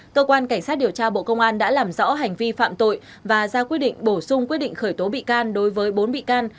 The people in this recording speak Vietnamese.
cơ quan cảnh sát điều tra bộ công an đã làm rõ hành vi phạm tội và ra quyết định bổ sung quyết định khởi tố bị can đối với bốn bị can